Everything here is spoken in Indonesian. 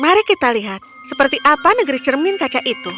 mari kita lihat seperti apa negeri cermin kaca itu